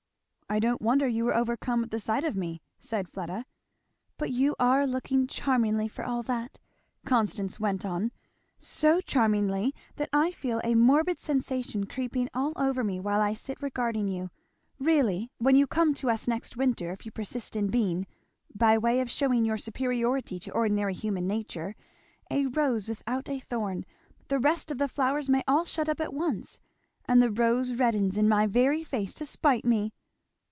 "I don't wonder you were overcome at the sight of me," said Fleda. "But you are looking charmingly for all that," Constance went on; "so charmingly that I feel a morbid sensation creeping all over me while I sit regarding you. Really, when you come to us next winter if you persist in being, by way of shewing your superiority to ordinary human nature, a rose without a thorn, the rest of the flowers may all shut up at once. And the rose reddens in my very face, to spite me!"